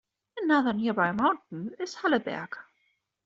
Another nearby mountain is Halleberg.